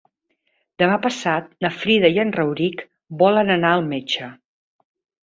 Demà passat na Frida i en Rauric volen anar al metge.